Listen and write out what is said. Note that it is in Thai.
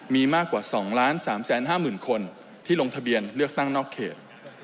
มีมากกว่า๒๓๕๐๐๐คนที่ลงทะเบียนเลือกตั้งนอกเขต